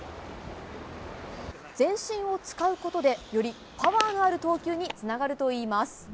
全身を使うことでよりパワーがある投球につながるといいます。